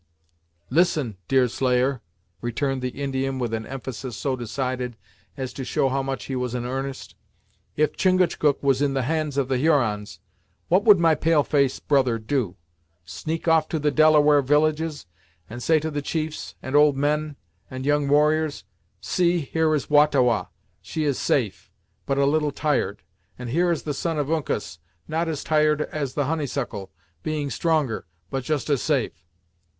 "Listen, Deerslayer," returned the Indian with an emphasis so decided as to show how much he was in earnest. "If Chingachgook was in the hands of the Hurons, what would my pale face brother do? Sneak off to the Delaware villages, and say to the chiefs, and old men, and young warriors 'see, here is Wah ta Wah; she is safe, but a little tired; and here is the Son of Uncas, not as tired as the Honeysuckle, being stronger, but just as safe.'